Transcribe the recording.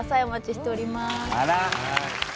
お待ちしております